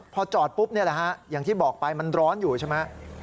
พอจอดปุ๊บนี่แหละฮะอย่างที่บอกไปมันร้อนอยู่ใช่ไหม